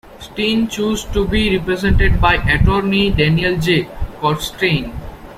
Steyn chose to be represented by attorney Daniel J. Kornstein.